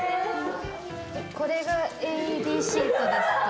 これがＡＥＤシートですか？